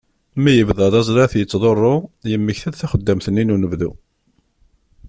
Mi yebda llaẓ la t-yettḍurru, yemmekta-d taxeddamt-nni n unebdu.